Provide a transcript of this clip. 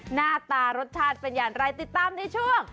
หน้าตารสชาติเป็นอย่างไรติดตามในช่วง